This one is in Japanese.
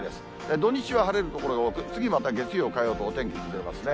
土日は晴れる所が多く、次また月曜、火曜とお天気崩れますね。